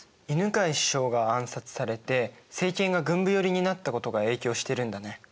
犬養首相が暗殺されて政権が軍部寄りになったことが影響してるんだね。